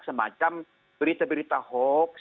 semacam berita berita hoax